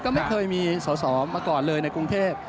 ก็ไม่เคยมีสอสอมาก่อนเลยในกรุงเทพ